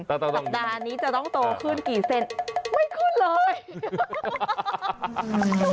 สัปดาห์นี้จะต้องโตขึ้นกี่เซนไม่ขึ้นเลย